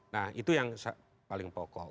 nah itu yang paling pokok